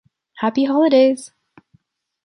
Happy Holidays!